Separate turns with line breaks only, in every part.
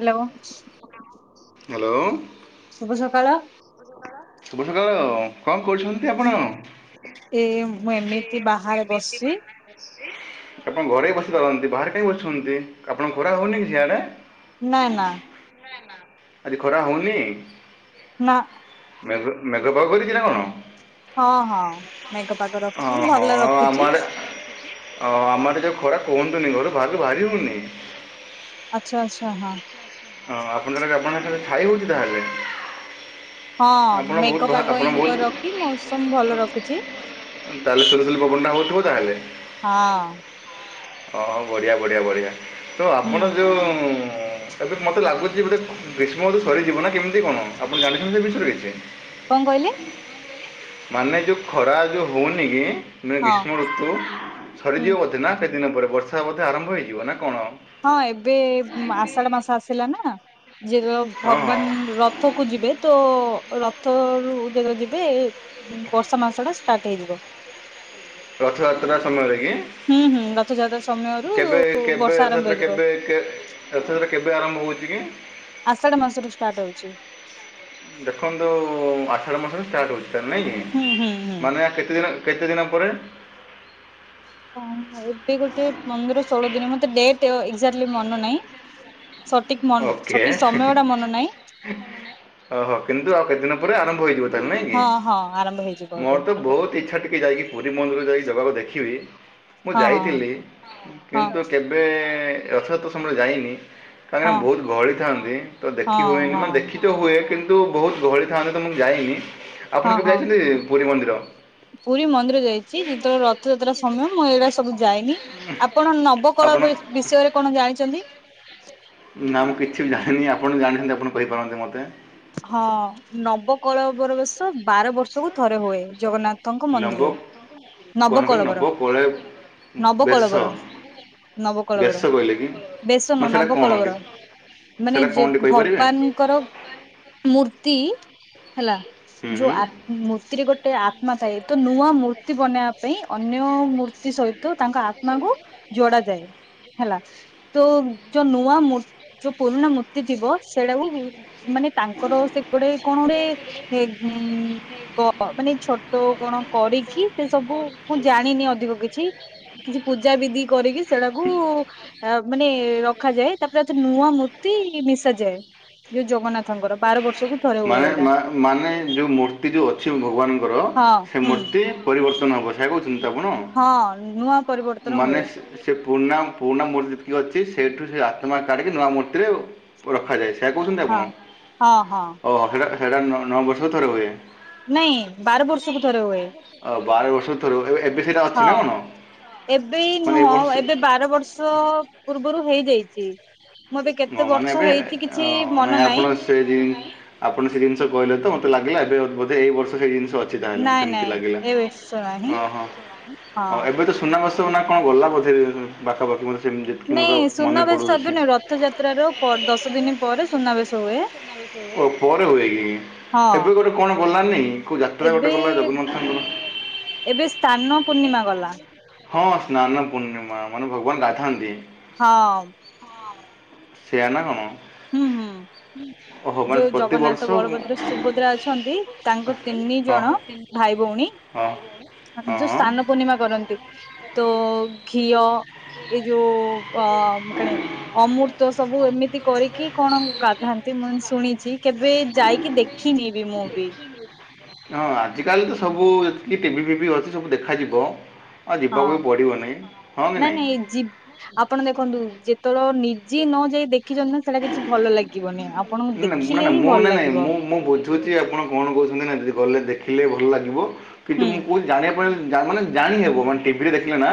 Hello.
Hello.
ଶୁଭ ସକାଳ।
ସୁଭ ସକାଳ କଣ କରୁଛନ୍ତି ଆପଣ?
ଏ ମୁଁ ଏମିତି ବାହାରେ
ନିତି
ବସିଛି
କଣ ମାନେ ବସ ଆପଣ ଘରେ ବି ବସି ପାରନ୍ତି ବାହାରେ କାହିଁକି ବସୁଛନ୍ତି ଆପଣଙ୍କୁ ଖରା ହଉନି କି ସିଆଡେ?
ନା ନା
ଆଜି ଖରା ହଉନି?
ନା।
ମେଘ ମେଘ ପାଗ କରିଛି ନା କଣ?
ହଁ ହଁ। ମେଘ ପାଗ ରଖିଛି
ଅହଁ
ଭଲ
ଆମ
ରଖିଛି
ଆଡେ ଓ ଆମର ଯଉ ଖରା କୁହନି କୁହନି ଘରୁ ବାହାରକୁ ବାହାରକୁ ବାହାରି ହଉନି।
ଆଚ୍ଛା ଆଚ୍ଛା ହଁ।
ହଁ ଆପଣଙ୍କ ସିଆଡ଼େ ଆପଣଙ୍କ [unintelligible] ଛାଇ ହଉଛି ତାହେଲେ।
ହଁ
ଆପଣ ବହୁତ
ମେଘ
ଭା-
ପାଗ
ଆପଣ
ଇମିତି
ବହୁତ
କରି ରଖି ମୌସମ ଭଲ ରଖିଛି।
ତାହେଲେ ସୁଲୁ ସୁଲୁ ପବନଟା ହଉଥିବ ତାହେଲେ।
ହଁ।
ହ ହ ବଢିଆ ବଢିଆ ବଢିଆ ତ
ହୁଁ
ଆପଣ ଯୋଉ ଉଁ ଏବେ ମତେ ଲାଗୁଛି ଯେ ଗୋଟେ ଗ୍ରୀଷ୍ମ ଋତୁ ସରିଯିବ ନା କେମିତି କଣ ଆପଣ ଜାଣିଛନ୍ତି ଏ ବିଷୟରେ କିଛି?
କଣ କହିଲେ?
ମାନେ ଯୋଉ ଖରା ଯୋଉ ହଉନି କି ନେ
ହଁ
ଗ୍ରୀଷ୍ମ ଋତୁ
ହୁଁ
ସରିଯିବ ବଧେ ନା ସେ ଦିନ ପରେ ବର୍ଷା ମଧ୍ୟ ଆରମ୍ଭ ହେଇଯିବ ନା।
ହଁ ଏବେ ଆଷାଢ ମାସ ଆସିଲା ନା। ଯେ
ହଁ
ଭଗବାନ ରଥ କୁ ଯିବେ ତ ରଥ ରୁ ଯେତେବେଳେ ଯିବେ ବର୍ଷା ମାସ ଟା ଷ୍ଟାର୍ଟ ହେଇଯିବ।
ରଥଯାତ୍ରା ସମୟରେ କି?
ହୁଁ ହୁଁ ରଥଯାତ୍ରା ସମୟରୁ
କେବେ କେବେ
ବର୍ଷା ଆରମ୍ଭ
ରଥ
ହେଇଯିବ
ଯାତ୍ରା କେବେ ଆରମ୍ଭ ହଉଛି? [inaudible]
ଆଷାଢ ମାସରୁୁ ଷ୍ଟାର୍ଟ ହଉଛି।
ଦେଖନ୍ତୁ ଆଷାଢ ମାସରେ ଷ୍ଟାର୍ଟ ହେଉଛି ତ ନାଇଁ କି
ହୁଁ ହୁଁ ହୁଁ।
ମାନେ କେତେ ଦିନ? କେତେ ଦିନ ପରେ?
ହଁ ଏବେ ଗୋଟେ ପନ୍ଦର ଷୋହଳ ଦିନ ମତେ ଡେଟ ଏଜାଟଲି ମନ ନାହିଁ। ସଠିକ୍ ମନ
ଓକେ
ସଠିକ୍ ସମୟ ଟା ମନେ ନାହିଁ
ଓହୋ କିନ୍ତୁ ଆଉ କେତେ ଦିନ ପରେ ଆରମ୍ଭ ହେଇଯିବ। ତା ନାଇଁ କି
ହଁ ହଁ ଆରମ୍ଭ ହେଇଯିବ ଏବେ
ମୋର ତ ବହୁତ ଇଚ୍ଛା ଟିକେ ଯାଇକି ପୁରୀ ମନ୍ଦିରକୁ ଯାଇକି ଜଗା କୁ ଦେଖିବି। ମୁଁ
ହଁ ହଁ।
ଯାଇଥିଲି
ହଁ
କିନ୍ତୁ କେବେ ରଥଯାତ୍ରା ସମୟରେ ଯାଇନି
ହଁ
କାହିଁକିନା ବହୁତ ଗଳି ଥାନ୍ତି ତ
ହଁ
ଦେଖି ହୁଏନି
ହଁ।
ମାନେ ଦେଖି ତ ହୁଏ କିନ୍ତୁ ବହୁତ ଗହଳି ଥାଆନ୍ତି ତ ମୁଁ ଯାଇନି ଆପଣ
ହଁ
କେବେ
ହଁ
ଯାଇଛନ୍ତି ପୁରୀ ମନ୍ଦିର?
ପୁରୀ ମନ୍ଦିର ଯାଇଛି ଯେତେବେଳେ ରଥଯାତ୍ରା ସମୟ ମୁଁ ଏଇଡା ସବୁ ଯାଇନି ଆପଣ ନବକ ଳ
ଆପଣ
ବିଷୟରେ କଣ ଜାଣିଛନ୍ତି?
ନା ମୁଁ କିଛି ବି ଜାଣିନି ଆପଣ ବି ଜାଣିଛନ୍ତି ଆପଣ କହିପାରନ୍ତି ମୋତେ।
ହଁ ନବକଳବର ବେଶ ବାର ବର୍ଷକୁ ଥରେ ହୁଏ ଜଗନ୍ନାଥଙ୍କ
ନବ
ମନ୍ଦିରରେ
କଣ କହିଲେ ନବ
ନବକଳବର
କୋଳେ
ନବକଳବର
ବେଶ
ନଭକଳବର
ବେଶ କହିଲେ କି
ବେସନ
ମାନେ ସେଇଟା କଣ ଟି
ନଭକଳବର। ମାନେ
ସେଇଟା
ଯେ
କଣ ଟି କହିପାରିବେ?
ଭଗବାନଙ୍କର ମୂର୍ତ୍ତି ହେଲା
ହୁଁ ହୁଁ
ଯୋଉ ମୂର୍ତ୍ତିରେ ଗୋଟେ ଆତ୍ମା ଥାଏ ତ ନୂଆ ମୂର୍ତ୍ତି ବନେଇବା ପାଇଁ ଅନ୍ୟ ମୂର୍ତ୍ତି ତି ସହିତ ତାଙ୍କ ଆତ୍ମା କୁ ଯୋଡ ଯାଏ ହେଲା ତ ଯୋଉ ନୂଆ ମୂର୍ତି ଯୋଉ ପୁରୁଣା ମୂର୍ତ୍ତି ଥିବ ସେଇଟାକୁ ମାନେ ତାଙ୍କର ସେଟେ କଣ ଗୋଟେ ମାନେ ଫଟୋ କଣ କରିକି ସେ ସବୁ ମୁଁ ଜାଣିନି ଅଧିକ କିଛି କିଛି ପୂଜା ବିଧି କରିକି ସେଟାକୁ ଅ ମାନେ ରଖାଯାଏ ତାପରେ ଏ ନୂଆ ମୂର୍ତ୍ତି ମିଶାଯାଏ ଯୋଉ ଜଗନ୍ନାଥଙ୍କର ବାର ବର୍ଷ
ମାନେ ମାନେ ଯୋଉ ମୂର୍ତ୍ତି ଯୋଉ ଅଛି ଭଗବାନଙ୍କର
ହଁ
ସେ
ହୁଁ
ମୂର୍ତ୍ତି ପରିବର୍ତ୍ତନ ବ ସେ କହୁଛି
ହଁ ନୂଆ ପରିବର୍ତ୍ତନ
ମାନେ
ହୁଏ
ସେ ପୁରୁଣା ପୁରୁଣା ମୂତି ଅଛି ସେଇଠୁ ସେ ଆତ୍ମା କାଢ଼ିକି ନୂଆ ମୂର୍ତ୍ତିରେ ରଖାଯାଇଛି। ସେଇା କହୁଛନ୍ତି
ହଁ
ଆପଣ
ହଁ ହଁ
ଓ ସେଇଟା ସେଇଟା ନଅ ବର୍ଷ ଥରେ ହୁଏ।
ନାଇଁ ବାର ବର୍ଷକୁ ଥରେ ହୁଏ।
ଆଉ ବାର ବର୍ଷର ଥର ହୁଏ ଏବେ ସେଇଟା ଅଛି ନା
ହଁ।
କଣ?
ଏବେ
ମାନେ ଏ
ନୁହଁ
ବର୍ଷ
ଏବେ ବାର ବର୍ଷ ପୂର୍ବରୁ ହେଇଯାଇଛି। ମୁଁ ଏବେ କେତେ
ହ ମାନେ
ବର୍ଷ
ଏବେ
ହେଇଛି
ଅ
କିଛି ମନ
ନାଇଁ
ନାହିଁ
ଆପଣ ସେ ଆପଣ ସେ ଜିନିଷ କହିଲେ ତ ଲାଗିଲା ଏବେ ବୋଧେ ଏଇ ବର୍ଷ ସେ ଜିନିଷ ଅଛି ତାହେଲେ
ନାଇଁ
ସେମତି
ନାଇଁ
ଲାଗିଲା
ଏ ବର୍ଷ ନାହିଁ।
ଓହୋ
ହଁ
ଏବେ ତ ସୁ ନା କଣ ଗଲା ବୋଧେ ପାଖାପାଖି ମୋତେ ସେମିତି ଯେତିକି ମୋତେ
ନାଇଁ
ମନେ
ସୁନାବେଶ ଏବେ
ପଡ଼ୁଅଛି।
ନୁହେଁ ରଥଯାତ୍ରାର ଦଶ ଦିନ ପରେ ସୁନାବେଶ ହୁଏ।
ଓ ପରେ ହୁଏ କି
ହଁ
ଏବେ ଗୋଟେ କଣ ଗଲାନି? କୋଉ ଯାତ୍ରା ଗୋଟେ
ଏବେ
ଗଲା ଜଗନ୍ନାଥଙ୍କର।
ଏବେ ସ୍ଥାନ ପୂର୍ଣ୍ଣିମା ଗଲା।
ହଁ ସ୍ନାନ ପୂର୍ଣ୍ଣିମା ମାନେ ଭଗବାନ ଗାଧାନ୍ତି।
ହଁ।
ସେଆ ନା କଣ?
ହୁଁ ହୁଁ।
ଓହୋ ମାନେ
ଯୋଉ
ପ୍ରତିବର୍ଷ
ଜଗନ୍ନାଥ ବଳଭଦ୍ର ସୁଭଦ୍ରା ଅଛନ୍ତି ତାଙ୍କ ତିନି
ହଁ।
ଜଣ ଭ ଭାଇ ଭଉଣୀ
ହଁ ହଁ
ଯୋଉ ସ୍ନାନ ପୂର୍ଣିମା କରନ୍ତି। ତ ଘିଅ ଏଇ ଯୋଉ ଅ କଣ ଅମୃତ ସବୁ ଏମିତି କରିକି କି କଣ ଗାଧାନ୍ତି ମୁଁ ଶୁଣିଚି କେବେ ଯାଇକି ଦେଖିନି ବି ମୁଁ ବି।
ହଁ ଆଜିକାଲି ତ ସବୁତିକି ଟିଭି ଫିଭି ଅଛି ସବୁ ଦେଖାଯିବ। ଆଉ
ହଁ
ଯିବାକୁ ବି ପଡ଼ିବନି ହଁ କି
ନାଇଁ
ନାହିଁ
ନାଇଁ ଏ ଜି ଆପଣ ଦେଖନ୍ତୁ ଯେତେବେଳେ ନି ଯିଏ ନ ଯାଇ ଦେଖିଚନ୍ତି ନା ସେଇଟା କିଛି ଭଲ ଲାଗିବନି ଆପଣଙ୍କୁ
ନା ନା
ଦେଖିଲେ
ନା
ହିଁ
ମୁଁ ନା
ଭଲ
ନାଇଁ
ଲାଗିବ।
ମୁଁ ମୁଁ ଆପଣ କଣ କହୁଚନ୍ତି ନା ଯଦି ଗଲେ ଦେଖିଲେ ଭଲ ଲାଗିବ କିନ୍ତୁ
ହୁଁ
ମୁଁ କହୁଚି ଜାଣିବା ପାଇଁ ମାନେ ଜାଣିହବ ମାନେ ଟିଭି ରେ ଦେଖିଲେ ନା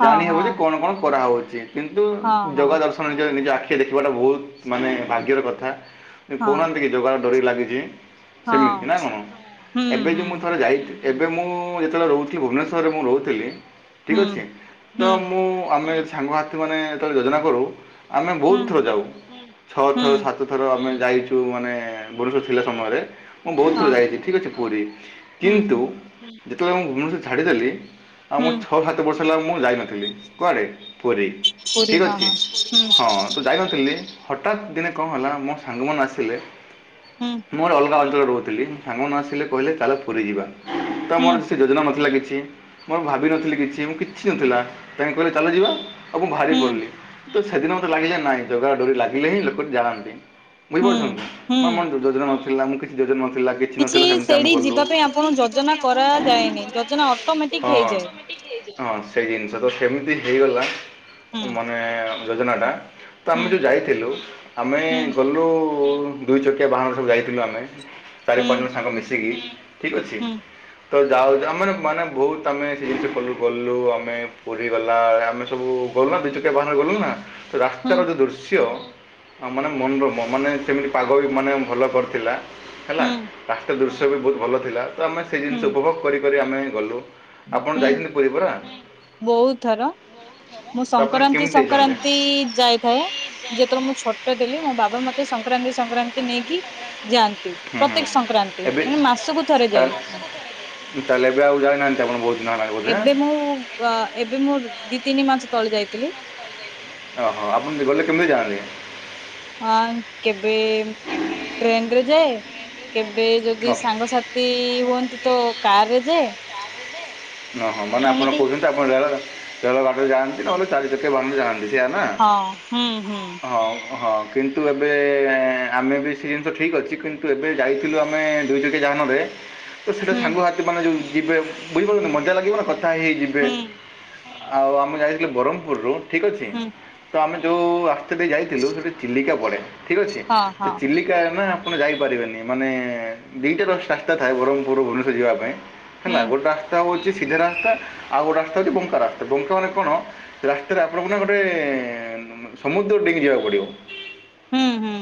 ହଁ
ଜାଣି ହେବ
ହଁ
ଯେ କଣ କଣ କରାହଉଚି। କିନ୍ତୁ
ହଁ ହଁ
ଜଗା ଦର୍ଶନ ନିଜ ନିଜ ଆଖି ଦେଖିବାଟା ବହୁତ ମାନେ ଭାଗ୍ୟର କଥା।
ହଁ
କହୁନାହାନ୍ତି କି ଜଗା ର ଡୋରି ଲାଗିଛି। ସେମିତି
ହଁ
ନା କଣ
ହୁଁ
ଏବେ ଯେ
ହୁଁ
ମୁଁ ଥରେ ଯାଇଥିଲି। ଏବେ ମୁଁ ଯେତେବେଳେ ରହୁଥିଲି ଭୁବନେଶ୍ୱରରେ ମୁଁ ରହୁଥିଲି। ଠିକ
ହୁଁ
ଅଛି ତ
ହୁଁ
ମୁଁ ଆମେ ସାଙ୍ଗସାଥି ମାନେ ଯେତେବେଳେ ଯୋଜନା କରୁ ଆମେ
ହୁଁ
ବହୁତ ଥ ଯାଉ ଛଅ
ହୁଁ
ଥର ସାତ ଥର ଆମେ ଯାଇଚୁ ମାନେ ବରୁଷ ଥିଲା ସମୟରେ। ମୁଁ ବହୁତ ଥର
ହଁ
ଯାଇଚି ଠିକ୍ ଅଛି ପୁରୀ
ହୁଁ
କିନ୍ତୁ ଯେତେବେଳେ ମୁଁ ଭୁବନେଶ୍ୱରରେ ଛାଡ଼ିଦେଲି। ଆଉ ମୋ
ହୁଁ
ଛଅ ସାତ ବର୍ଷ ହେଲା ମୁଁ ଯାଇନଥିଲି କୁଆଡେ ପୁରୀ
ପୁରୀ
ଠିକ୍
ହଁ
ଅଛି ହଁ। ଥିଲେ ହଠାତ୍ ଦିନେ କଣ ହେଲା ଆମ ସାଙ୍ଗ ମାନେ ଆସିଲେ
ହୁଁ ହୁଁ
ମୋର ଅଲଗା ଅଚ ରହୁ ସାଙ୍ଗ ନ ଆସିଲେ କହିଲେ ଚାଲ ପୁରି ଯିବା ତ
ହୁଁ
ମୋର ଯୋଜନା ନଥିଲା କିଛି। ମୁଁ ଭାବିିନଥିଲି କିଛି ମୁଁ କିଛି ନଥିଲା ତମ କହିଲେ ଚାଲ ଯିବା। ଆଉ ଭାରି
ହୁଁ
ପଡିଲି ତ ସେଦିନ ମତେ ଲାଗିଲେ ନାଇଁ ଜଗା ଡୋରି ଲାଗିଲେ ହିଁ ଲୋକ ଜାଣନ୍ତି।
ହୁଁ
ବୁଝିପାରୁଚନ୍ତି
ହୁଁ
ମ ମର ଯୋ ଯୋଜନା ନଥିଲା ମୁଁ କିଛି ଯୋଜନା ପିଲା କିଛି ନଥିଲା ସେମିତି ଆମେ
ସେଇଠି
ଗଲୁ
ଯିବା ପାଇଁ ଆପଣ ଯୋଜନା କରାଯାଏନି ଯୋଜନା ଅଟୋମେଟିକ
ହଁ।
ହେଇଯାଏ।
ହଁ ସେଇ ଜିନିଷ ତ ସେମିତି ହେଇଗଲା
ହୁଁ
ମାନେ ଯୋଜନା ଟା ତ
ହୁଁ
ଆମେ ଯେଉଁ ଯାଇଥିଲୁ ଆମେ
ହୁଁ
ଗଲୁ ଦୁଇ ଚକିଆ ବାହାନରେ ସବୁ ଯାଇଥିଲୁ ଆମେ। ଚାରି
ହୁଁ
ପାଞ୍ଚ ଜଣ ସାଙ୍ଗ ମିଶିକି ଠିକ୍ ଅଛି।
ହୁଁ
ତ ଯାଉ ଆମେ ମାନେ ବହୁତ ଆମେ ସେ ଜିନିଷ କଲି କଲୁ ଆମେ ପୁରୀ ଗଲା ଆମେ ସବୁ ଗୋଲ ନା ଦି ତିନ ଟା କେ ବାହାନରେ ଗଲ ନା ତ
ହୁଁ
ପ୍ରକାରର ଯଉଁ ଦୃଶ୍ୟ ମାନେ ମନୋରମ ମାନେ ସେମିତି ପାଗ ବି ମାନେ ଭଲ କରିଥିଲା। ହେଲା
ହୁଁ
ରାସ୍ତା ର ଦୃଶ୍ୟ ବି ବହୁତ ଭଲ ଥିଲା ତ ଆମେ ସେ
ହୁଁ
ଜିନିଷ ଉପଭୋଗ କରି କରି ଆମେ ଗଲୁ। ଆପଣ
ହୁଁ
ଯାଇଚନ୍ତି ପୁରୀ ପରା।
ବହୁତ ଥର ମୁଁ
ତ ଆପଣ କେମିତି ଯାଇଛନ୍ତି ଯାଇଥାଏ ଯେହେତୁ ଛୋଟ ଥିଲି ମୋ ବାବା ମୋତେ
ସଂକ୍ରାନ୍ତି ସଂକ୍ରାନ୍ତି ଯାଇ ଥାଏ, ଯେତେବେଳେ ମୁଁ ଛୋଟ ଥିଲି ମୋ ବାବା ମତେ ସଂକ୍ରାନ୍ତି ସଂକ୍ରାନ୍ତି ନେଇକି ଯାଆନ୍ତି
ହୁଁ ହୁଁ
ପ୍ରତ୍ୟେକ ସଂକ୍ରାନ୍ତି
ଏବେ ଏବେ
ମାନେ ମାସକୁ ଥରେ ଯାଏ
ତାହେଲେ-
ମୁ।
ତାହେଲେ ଏବେ ଆଉ ଯାଇନାହାନ୍ତି ଆପଣ ବହୁତ ଦିନ ହେଲାଣି ବୋଧେ
ଏବେ ମୁଁ ଆ ଏବେ ମୁଁ ଦି ତିନି ମାସ ତଳେ ଯାଇଥିଲି।
ଓହୋ ଆପଣ ଗଲେ କେମିତି ଜାଆନ୍ତି?
ହଁ କେବେ ଟ୍ରେନ ରେ ଯାଏ। କେବେ ଯଦି
ହଁ।
ସାଙ୍ଗସାଥି ହୁଅନ୍ତି ତ କାର ରେ ଯାଏ।
ଅ ହଁ ମାନେ ଆପଣ
ଏମିତି
କହୁଛନ୍ତି ଆପଣ ରେଳ ରେଳ ଗାଡିରେ ଯାଆନ୍ତି ନହେଲେ ଚାରି ଚାରିଆ ବାହାନରେ ଯାଆନ୍ତି। ସେୟା ନା
ହଁ ହୁଁ ହୁଁ
ହ। ହଁ କିନ୍ତୁ ଏବେ ଆମେ ବି ସେ ଜିନିଷ ଠିକ ଅଛି କିନ୍ତୁ ଏବେ ଯାଇଥିଲୁ ଆମେ ଦୁଇ ଚକିଆ ଗା ଜାନ ରେ ତ ସେଇଟା
ହୁଁ
ସାଙ୍ଗସଥିୀ ମାନେ ଯେଉଁ ଯିବେ ବୁଝିପାରୁ ମଜା ଲାଗିବ ନା କଥା ହେଇ ଯିବେ।
ହୁଁ
ଆଉ ଆମେ ଯାଇଥିଲୁ ବାରମ୍ପୁରରୁ ଠିକ୍ ଅଛି
ହୁଁ
ତ ଆମେ ଯେଉ ଆସି ସେଠି ଯାଇଥିଲୁ ସେଇଠି ଚିଲିକା ପଡ଼େ ଠିକ୍ ଅଛି
ହଁ
ତ
ହଁ
ଚିଲିକା ନା ଆପଣ ଯାଇପାରିବେନି ମାନେ ଦିଟ ର ରାସ୍ତା ଥାଏ ବ୍ରହ୍ମପୁର ଭୁବନେଶ୍ଵର ଯିବା ପାଇଁ। ହେଲା
ହୁଁ
ଗଟା [unintelligible] ସମୁଦ୍ର ଡିକି ଯିବାକୁ ପଡିବ।
ହୁଁ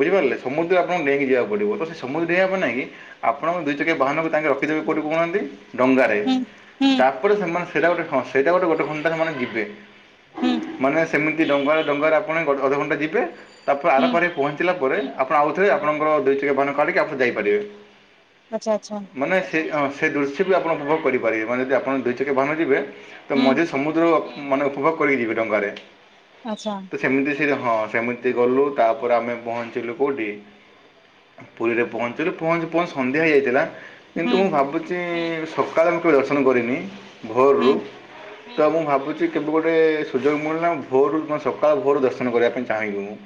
ବୁଝିପାରିଲେ ସମୁଦ୍ର ଆପଣଙ୍କୁ ନେଇକି ଯକୁ ପଡିବ ତ ସେ ସମୁଦ୍ର ହେପ ପାଇଁ ନାଇଁ ଆପଣ ଦିକି ବାହାନକୁ ତାଙ୍କେ ରଖିଦେବେ କ କନ୍ତି ଡଙ୍ଗାରେ
ହୁଁ ହୁଁ
ତାପରେ ସେମାନେ ସେଟା ଗୋଟେ ହ ସେଇଟା ଗୋଟେ ଗୋଟେ ଖଣ୍ଟା ସେମାନେ ଯିବେ
ହୁଁ
ମାନେ ସେମିତି ଡଙ୍ଗା ଡଙ୍ଗାରେ ଆପଣ ଅଧଘଣ୍ଟା ଯିବେ ତାପରେ
ହୁଁ ହୁଁ
ଆରପାରିରେ ପହଞ୍ଚିଲା ପରେ ଆପଣ ଆଉଥରେ ଆପଣଙ୍କର ଦୁଇ ଚକିଆ ବାହନ କାଢ଼ିକି ଆପଣ ଯାଇପାରିବେ
ଆଚ୍ଛା ଆଚ୍ଛା।
ମାନେ ସେ ସେ ଦୃଶ୍ୟ ବି ଆପଣ ଉପଭୋଗ କରିପାରିବେ ମାନେ ଯଦି ଆପଣ ଦୁଇ ଚକି ବାହାନରେ ଯିବେ ତ
ହୁଁ
ମଝି ସମୁଦ୍ର ମାନେ ଉପଭୋଗ କରି ଯିବେ ଡଙ୍ଗାରେ
ଆଚ୍ଛା।
ତ ସେମିତି ହଁ ସେମିତି ଗଲୁ ତାପରେ ଆମେ ପହଞ୍ଚିଲୁ କୋଉଠି? ପୁରୀରେ ପହଞ୍ଚିଲୁ ପହଞ୍ଚି ପହଞ୍ଚି ସନ୍ଧ୍ୟା ହେଇଯାଇଥିଲା। କିନ୍ତୁ
ହୁଁ
ମୁଁ ଭାବୁଛି ସକାଳେ ମୁଁ କେବେ ଦର୍ଶନ କରିନି
ହୁଁ
ଭୋରରୁ ତ ମୁଁ ଭାବୁଛି କେବେ ଗୋଟେ ସୁଯୋଗ ମିଳୁନା ଭୋରୁ ସକାଳୁ ଭୋରରୁ ଦର୍ଶନ କରିବା ପାଇଁ ଚାହିଁବି ମୁଁ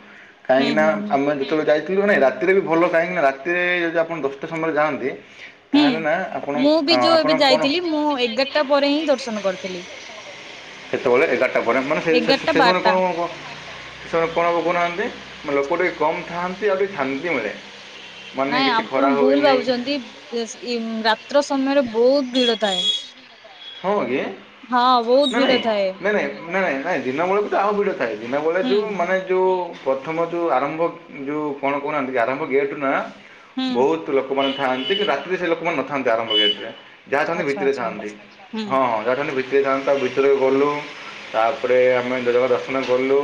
ହୁଁ
କାହିଁକି ନା
ହୁଁ ହୁଁ
ଆମ ଯେତେବେଳେ ଯାଇଛ ରାତିରେ ବି ଭଲ କାହିଁକି ନା ରାତିରେ ଯଦି ଆପଣ ଦଶଟା ସମୟ ଯାଆନ୍ତି
ହୁଁ।
ତାହେଲେ
ମୁଁ ବି ଯୋଉ
ଆପଣ
ଏବେ
କ'ଣ
ଯାଇଥିଲି ମୁଁ ଏଗାରଟା ପରେ ହିଁ ଦର୍ଶନ କରିଥିଲି
ସେତେବେଳେ ଏଗାରଟା ପରେ ମାନେ ସେ
ଏଗାରଟା
ସମୟରେ
ବାରଟା।
କଣ କଣ ସେ କହୁନାହାନ୍ତି ଲୋକ ଟିକେ କମ୍ ଥାଆନ୍ତି ଆଉ ଟିକ ଥାଆନ୍ତି ମ
ନାଇଁ ଆପଣ ଭୁଲ ଭାବୁଛନ୍ତି ରାତ୍ର ସମୟରେ ବହୁତ ଭିଡ ଥାଏ।
ହଁ ଆଙ୍କା
ହଁ ବହୁତ
ନା
ଭିଡ
ନାଇଁ
ଥାଏ
ନାଇଁ ନାଇଁ ନାଇଁ ନାଇଁ ଦିନବେେଳେକୁ ତ ଆଉ ଭିଡ ଥାଏ ଦିନବେଳେ
ହୁଁ
ଯୋ ମାନେ ଯୋଉ ପ୍ରଥମ ଯେଉଁ ଆରମ୍ଭ ଯେଉଁ କଣ କହୁନାହାନ୍ତି ଆରମ୍ଭ ଗେଟ୍ ନା
ହୁଁ
ବହୁତ ଲୋକମାନେ ଥାନ୍ତି କି ରାତିରେ ସେ ଲୋକମାନେ ନଥାନ୍ତି ଆରମ୍ଭ ହେଯାଇ ଯାହାଥାନ୍ତି
ଆଚ୍ଛା
ଭିତରେ
ଆଚ୍ଛା
ଥାନ୍ତି
ହୁଁ
ହଁ ହଁ ଯହା ଭିତରେ ଥାଆନ୍ତା ଭିତରେ ଗଲୁ ତାପରେ ଆମେ ଦେବଙ୍କ ଦର୍ଶନ କଲୁ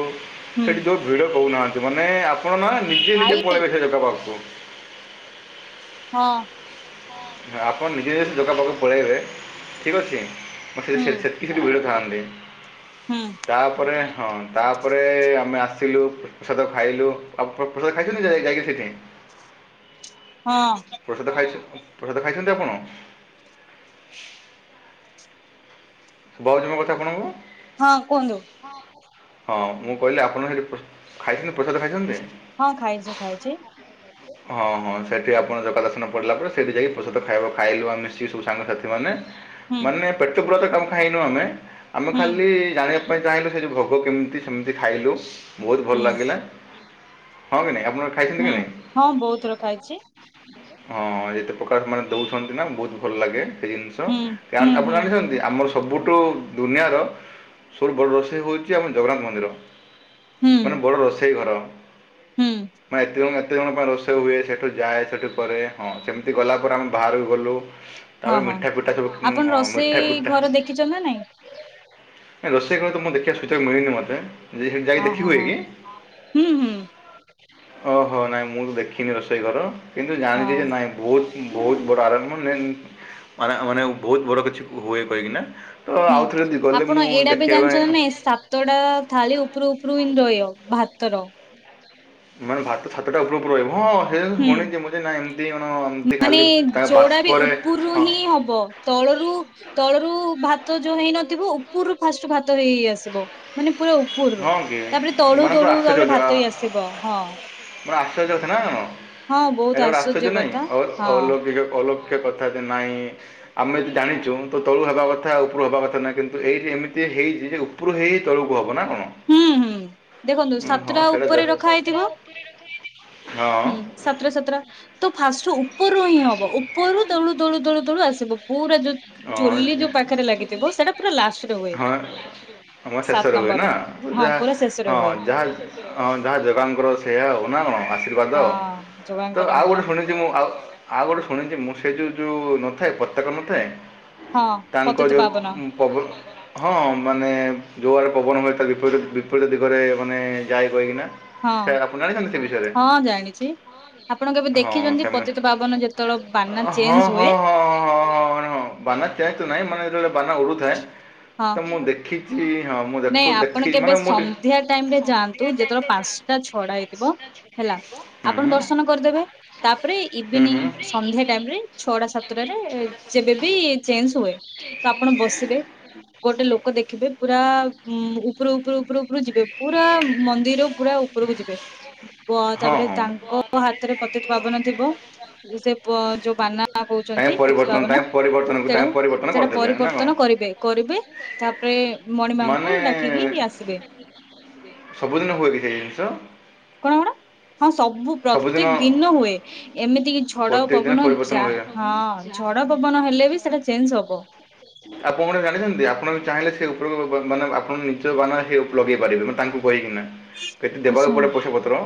ହୁଁ
ସେଠି ଯୋଉ ଭିଡ କହୁନାହାନ୍ତି ମାନେ ଆପଣ ନା ନିଜେ ନିଜେ
ଭାଇ
ପଳେଇବେ ସେ ଜଗା ପାଖକୁ
ହଁ।
ହଁ ଆପଣ ନିଜେ ନିଜେ ଜଗା ପାଖକୁ ପଳାଇବେ ଠିକ୍ ଅଛି ମ
ହୁଁ
ସେକି ସେଠି ଭିଡ଼ ଥାଆନ୍ତି
ହୁଁ
ତାପରେ ହଁ ତାପରେ ଆମେ ଆସି ଆସିଲୁ ପ୍ରସାଦ ଖାଇଲୁ ଆଉ ପ୍ରସାଦ ଖାଇଛୁ ନିି ଯାଇ ଯାଇକି ସେଇଠି
ହଁ
ପ୍ରସାଦ ଖାଇ ପ୍ରସାଦ ଖାଇଛନ୍ତି ଆପଣ ବଉଜ ମ କଥା କଣ ହବ?
ହଁ କୁହନ୍ତୁ!
ହଁ ମୁଁ କହିଲି ଆପଣ ସେଠି ଖାଇଛନ୍ତି ପ୍ରସାଦ ଖାଇଛନ୍ତି?
ହଁ ଖାଇଛି ଖାଇଛି।
ହଁ ହଁ ସେଠି ଆପଣ ଜଗାଦର୍ଶନ ପଡିଲା ପରେ ସେଠି ଯାଇକି ପ୍ରସାଦ ଖାଇବା ଖାଇଲୁ ମିଶିକି ସବୁ ସାଙ୍ଗସାଥିମାନେ
ହୁଁ
ମାନେ ପେଟ ପୁରା ତ କମ ଖାଇନୁ ଆମେ ଆମେ
ହୁଁ
ଖାଲି ଜାଣିବା ଚାହିଁଲୁ ସେ ଯେଉଁ ଭୋଗ କେମିତି ସେମିତି ଖାଇଲୁ ବହୁତ ଭଲ
ହୁଁ
ଲାଗିଲା ହଁ କି ନାଇଁ? ଆପଣ ଖାଇଛନ୍ତି କି ନାଇଁ?
ପତର ଖାଇଛି।
ହଁ ଯେତେ ପ୍ରକାର ମାନେ ଦଉଛନ୍ତି ନା ବହୁତ ଭଲ ଲାଗେ। ଜିନିଷ
ହୁଁ ହୁଁ
ଆପଣ
ହୁଁ
ଜାଣିଛନ୍ତି ଆମର ସବୁଠୁ ଦୁନିଆର ସବୁଠୁ ବଡ଼ ରୋଷେଇ ହେଉଛି ଆମ ଜଗନ୍ନାଥ ମନ୍ଦିର
ହୁଁ
ମାନେ ବଡ଼ ରୋଷେଇ ଘର
ହୁଁ
ମ ଏତେ ଜଣ ଏତେ ଜଣ ସେ ହୁଏ ସେଠୁ ଯାଏ ସେଠି ପରେ ହଁ ସେମିତି ଗଲା ପରେ ଆମେ ବାହାରକୁ ଗଲୁ।
ହଁ
ତାପରେ
ହଁ
ମିଠା କୁଟା ସବୁ
ଆପଣ
ମିଠା
ରୋଷେଇ
ଫିଟା
ଘର ଦେଖିଛନ୍ତି ନା ନାଇଁ
ନଁ ରୋଷେଇ ଘରେ ତ ମୁଁ ଦେଖିବା ସୁଯୋଗ ମିଳିନି ମୋତେ। ସେଠି ଯାଇକି
ହଁ
ଦେଖି
ହଁ
ହୁଏ
ହଁ
କି?
ହୁଁ ହୁଁ
ଓହୋ ନାଇଁ ମୁଁ ତ ଦେଖିନି ରୋଷେଇ ଘର କିନ୍ତୁ ଜାଣିଛି
ହଁ
ଯେ ନାଇଁ ବହୁତ ବହୁତ ବଡ ଆରେଞ୍ଜମେଣ୍ଟ ମାନେ ବହୁତ ବଡ କିଛି ହୁଏ କାହିଁକି ନା ତ
ହୁଁ
ଆଉଥରେ
ଆପଣ ଏଇଟା ବି ଜାଣିଛ ନା
ପାଇଁ
ନାଇଁ ସାତ ଟା ଥାଳି ଉପରୁ ଉପରୁ ହିଁ ରହିବ ଭାତର
ମାନେ ଭାତ ସାତଟା ଉପରୁ ଉପରୁ ରହିବ। ହଁ ସେ
ହୁଁ
ଶୁଣିଛି ମୁଁ ନା ଏମିତି କଣ ଏମତି
ମାନେ
ଖାଲି ତା
ଯୋଉଡା ବି
ବାଷ୍ପରେ
ଉପରରୁ
ହଁ।
ହିଁ ହବ ତଳରୁ ତଳରୁ ଭାତ ଭାତ ଯୋଉ ହେଇନଥିବ ଉପରୁ ଫାଷ୍ଟ ଭାତ ହେଇ ହେଇ ଆସିବ ମାନେ ପୁରା ଉପରରୁ
ହଁ କି
ତାପରେ ତଳୁ
ମାନେ ପୁରା
ତଳୁ ତାପରେ ଭାତ ହେଇ ଆସିବ ହଁ।
ମୋରେ ଆଶ୍ଚର୍ଯ୍ୟ କଥା ନା
ହଁ ବହୁତ
ହେଇଟ ଗୋଟେ ଆଶ୍ଚର୍ଯ୍ୟ
କଥା
ନାହିଁ
ହଁ।
ଅଲୋକି ଅଲୋକିକ। କଥା ଯେ ନାଇଁ ଆମେ ଯଦି ଜାଣିଛୁ ତ ତଳୁ ହବା କଥା ଉପରୁ ହବା କଥା ନାହିଁ କିନ୍ତୁ ଏଇଠି ଏମିତି ହେଇଚି ଉପରୁ ହେଇ ତଳକୁ ହବ ନା କଣ?
ହୁଁ ହୁଁ ଦେଖନ୍ତୁ
ଉଁ ହଁ
ସାତଟା
ସେଟା ଯ
ଉପରେ ରଖା ହେଇଥିବ
ସତରେ ଆଉ
ହୁଁ ସାତଟା ସାତଟା ତ ଫାଷ୍ଟ ଉପରରୁ ହିଁ ହବ ଉପରୁ ତେଳୁ ତଳୁ ତଳୁ ତଳୁ ଆସି ସିବ ପୁରା ଯୋଉ ଚୁଲି
ହଁ
ଯୋଉ ପାଖରେ ଲାଗିଥିବ ସେଟା ପୁରା ଲାଷ୍ଟରେ ହୁଏ।
ସଭା
ସାତ
ଶେଷରେ ହୁଏ
ନମ୍ବର।
ନା।
ହଁ
ଯାହା
ପୁରା ଶେଷରେ ହୁଏ
ହଁ ଯାହା ହଁ ଯାହା ଜଗାଙ୍କର ସେୟା ଆଉ ନା କଣ? ଆଶୀର୍ବାଦ
ହଁ
ତ
ଯୋଗାଙ୍କର
ଆଉ
ନୀଳା।
ଗୋଟେ ଶୁଣି ମୁଁ ଆଉ ଗୋଟେ ଶୁଣିଛି ମୁଁ ସେ ଯୋଉ ଯୋଉ ଥାଏ ପତାକା ନଥାଏ
ହଁ
ତାଙ୍କ
ପତିତ ପାବନ
ଯୋଉବ ହଁ ମାନେ ଯୋଉଆରେ ପବନ ହୁଏ ତା ବିପ ପରି ବିପରୀତ ଦିଗରେ ମାନେ ଯାଏ କାହିକିନା
ହଁ
ସେ ଆପଣ ଜାଣିଛନ୍ତି ସେ ବିଷୟରେ
ହଁ ଜାଣିଛି। ଆପଣ କେବେ
ହଁ ହଁ
ଦେଖିଛନ୍ତି
ସେମାନେ
ପତିତ ପାବନ ଯେତେବେଳେ ବାନା
ହଁ
ଚେଞ୍ଜ ହୁଏ
ହଁ ହଁ ହଁ ହଁ। ବାନା କେତୁ ନାହିଁ ମାନେ ଯେତେବେଳେ ବାନା ଉଡୁଥାଏ
ହଁ
ତ ମୁଁ ଦେଖିଛି ହଁ ମୁଁ ଦେଖୁ
ନାଇଁ
ଦେଖି
ଆପଣ କେବେ
ମାନେ ମୁଁ ଟିକେ
ସନ୍ଧ୍ୟା ଟାଇମ ରେ ଯାଆନ୍ତୁ ଯେତେବେଳେ ପାଞ୍ଚଟା ଛଡା ହେଇଥିବ ହେଲା। ଆପଣ ଦର୍ଶନ କରିଦେବେ ତାପରେ ଇଭିନିଂ ସନ୍ଧ୍ୟା ଟାଇମ ରେ ଛଅଟା ସାତଟାରେ ଆ ଯେବେବି ଚେଞ୍ଜ ହୁଏ ତ ଆପଣ ବସିବେ ଗୋଟେ ଲୋକ ଦେଖିବେ ପୁରା ଉପରୁ ଉପରୁ ଉପରୁ ଉପରୁ ଯିବେ ପୁରା ମନ୍ଦିର ପୁରା ଉପରକୁ ଯିବେ
ହଁ
ତାପରେ
ହଁ
ତା ହାତରେ ପତିତ ପବନ ଥିବ ସେ ଯୋଉ ବାନା
ତାଙ୍କେ
କହୁଛନ୍ତି ପ୍ରତୁ
ପରିବର୍ତ୍ତନ
ପବନ
ତାଙ୍କେ ପରିବର୍ତ୍ତନକୁ
ସେଟା
ତାଙ୍କେ ପରିବର୍ତ୍ତନ
ସେଟା
କରିଦେବେ ନା କ'ଣ
ପରିବର୍ତ୍ତନ କରିବେ କରିବେ ତାପରେ ମଣିମାଙ୍କୁ
ମାନେ
ଡାକିକି ଆସିବେ
ସବୁଦିନ ହୁଏ କି ସେ ଏଇ ଜିନିଷ?
କଣ କଣ? ହଁ ସବୁ
ସବୁଦିନ
ପ୍ରତ୍ୟେକ ଦିନ ହୁଏ ଏମିତି କି ଝଡ଼,
ପ୍ରତ୍ୟେକ ଦିନ
ପବନ
ପରିବର୍ତ୍ତନ ହୁଏ
ଯାହା ହଁ ଝଡ଼ ପବନ ହେଲେ ବି ସେଇଟା ଚେଞ୍ଜ ହବ।
ଆପଣ ଗୋଟେ ଜାଣିଛନ୍ତି ଆପଣ ବି ଚାହିଁଲେ ସେ ଉପରକୁ ମାନେ ଆପଣ ନିଜ ବାନା ସେ ଲଗେଇ ପାରିବେ ମାନେ ତାଙ୍କୁ କହିକିନା। କେତେ ଦେବାକୁ
ଆଚ୍ଛା
ପଡ଼େ ପଇସା ପତ୍ର।